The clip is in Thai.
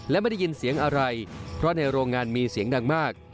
และไม่ได้ยินเสียงอะไรเพราะในโรงงานมีเสียงดังมาก